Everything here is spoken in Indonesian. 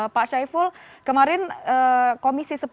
pak syai fulhuda kemarin komisi sepuluh dpr ri